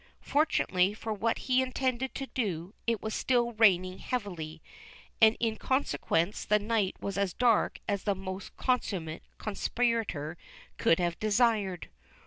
Fortunately for what he intended to do, it was still raining heavily, and in consequence the night was as dark as the most consummate conspirator could have desired.